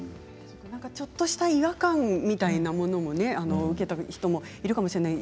ちょっとした違和感みたいなものも受けている人もいるかもしれない。